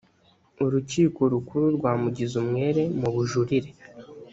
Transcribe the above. urukiko rukuru rwamugize umwere mu bujurire